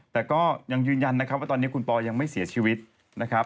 แต่ก็ยังยืนยันนะครับว่าตอนนี้คุณปอยังไม่เสียชีวิตนะครับ